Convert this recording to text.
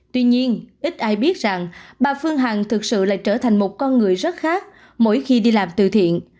tuy nhiên ít ai biết rằng bà phương hằng thực sự lại trở thành một con người rất khác mỗi khi đi làm từ thiện